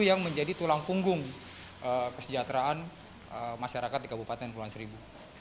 yang menjadi tulang punggung kesejahteraan masyarakat di kabupaten kepulauan seribu